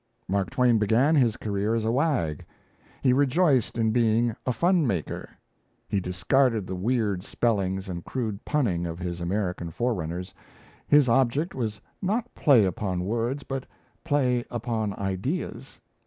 Mark Twain began his career as a wag; he rejoiced in being a fun maker. He discarded the weird spellings and crude punning of his American forerunners; his object was not play upon words, but play upon ideas.